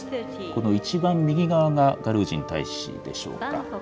この一番右側がガルージン大使でしょうか。